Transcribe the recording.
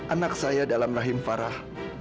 anak saya dalam rahim farah